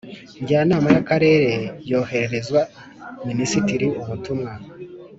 Njyanama y akarere yohererezwa minisitiri ubutumwa